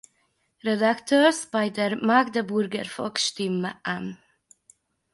Redakteurs bei der "Magdeburger Volksstimme" an.